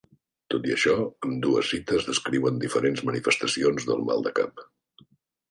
Tot i això, ambdues cites descriuen diferents manifestacions del mal de cap.